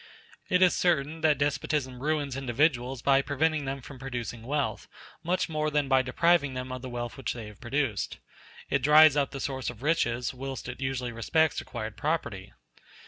It is certain that despotism ruins individuals by preventing them from producing wealth, much more than by depriving them of the wealth they have produced; it dries up the source of riches, whilst it usually respects acquired property.